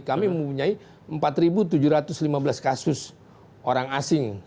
kami mempunyai empat tujuh ratus lima belas kasus orang asing